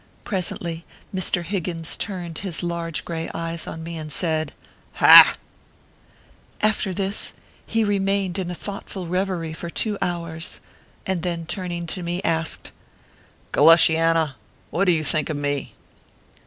Presently, Mr. Higgins turned his large gray eyes on me, and said :" Ha !" After this, he remained in a thoughtful reverie for two hours, and then turning to me, asked :" Galushiana, what do you think of me